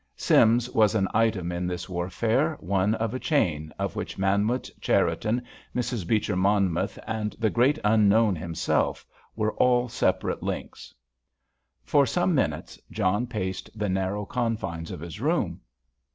Sims was an item in this warfare, one of a chain, of which Manwitz, Cherriton, Mrs. Beecher Monmouth, and the great unknown himself were all separate links. For some minutes John paced the narrow confines of his room.